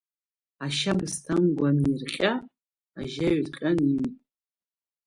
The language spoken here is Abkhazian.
Ашьабсҭа амгәа анирҟьа, ажьа ҩыҭҟьан иҩит.